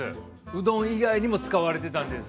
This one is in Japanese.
うどん以外にも使われていました。